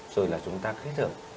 rồi là chúng ta kết hợp